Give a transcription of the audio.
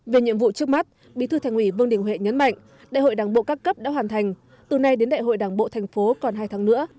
về nhiệm vụ trước mắt bí thư thành ủy vương đình huệ nhấn mạnh đại hội đảng bộ các cấp đã hoàn thành từ nay đến đại hội đảng bộ thành phố còn hai tháng nữa